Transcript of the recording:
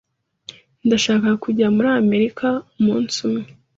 Ndashaka kujya muri Amerika umunsi umwe.